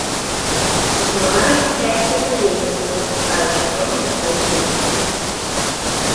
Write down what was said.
Дапамагаюць кітайскія калегі, запускаючы зонд на сваім носьбіце.